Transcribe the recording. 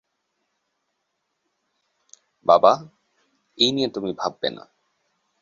বাবা, এই নিয়ে তুমি ভাববে না।